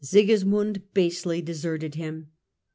Sigismund basely deserted him.